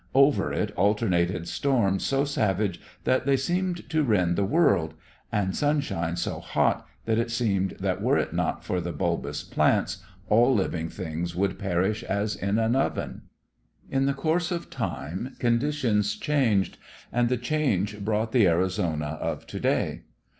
Over it alternated storms so savage that they seemed to rend the world, and sunshine so hot that it seemed that were it not for the bulbous plants all living things would perish as in an oven. In the course of time conditions changed, and the change brought the Arizona of to day.